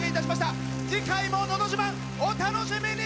次回も「のど自慢」お楽しみに！